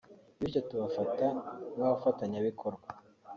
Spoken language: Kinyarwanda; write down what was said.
bityo tubafata nk’abafatanyabikorwa